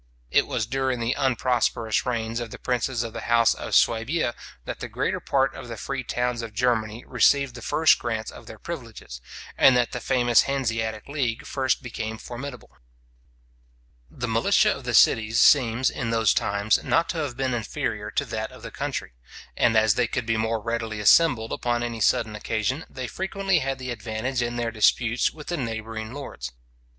It was during the unprosperous reigns of the princes of the house of Suabia, that the greater part of the free towns of Germany received the first grants of their privileges, and that the famous Hanseatic league first became formidable. {See Pfeffel.} The militia of the cities seems, in those times, not to have been inferior to that of the country; and as they could be more readily assembled upon any sudden occasion, they frequently had the advantage in their disputes with the neighbouring lords.